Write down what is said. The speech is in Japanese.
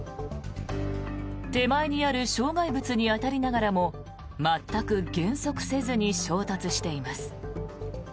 手前にある障害物に当たりながらも全く減速せずに衝突しています。